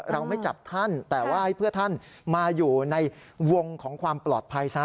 เราไม่จับท่านแต่ว่าให้เพื่อท่านมาอยู่ในวงของความปลอดภัยซะ